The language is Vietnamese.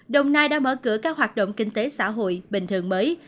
đồng nai đã mở cửa các hoạt động kinh tế xã hội bình thường mới